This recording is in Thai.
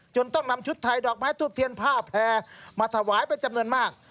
ต้องนำชุดไทยดอกไม้ทูบเทียนผ้าแพร่มาถวายเป็นจำนวนมาก